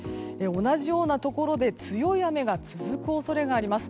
同じようなところで強い雨が続く恐れがあります。